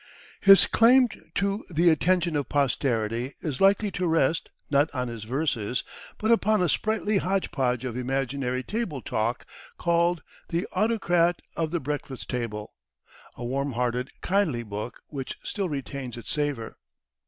His claim to the attention of posterity is likely to rest, not on his verses, but upon a sprightly hodgepodge of imaginary table talk, called "The Autocrat of the Breakfast Table" a warm hearted, kindly book, which still retains its savor.